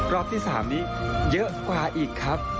รอบที่๓นี้เยอะกว่าอีกครับ